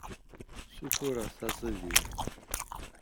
Ssutureɣ taẓidirt.